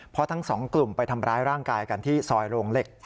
เพราะทั้งสองกลุ่มไปทำร้ายร่างกายกันที่ซอยโรงเหล็ก